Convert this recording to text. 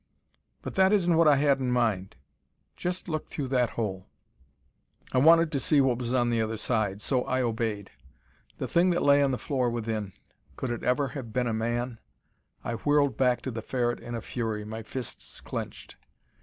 "But that isn't what I had in mind. Just look through that hole." I wanted to see what was on the other side, so I obeyed. The Thing that lay on the floor within could it ever have been a man? I whirled back to the Ferret in a fury, my fists clenched.